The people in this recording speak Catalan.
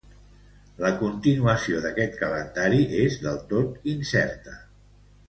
La continuació d’aquest calendari és del tot incerta.